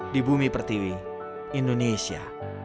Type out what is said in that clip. di bumi pertiwi indonesia